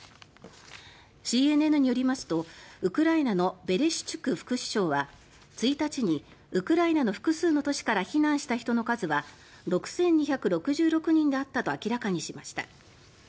ＣＮＮによりますとウクライナのベレシュチュク副首相は１日にウクライナの複数の都市から避難した人の数は６２６６人であったと明らかにしました。